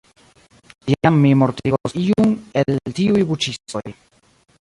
Iam, mi mortigos iun el tiuj buĉistoj.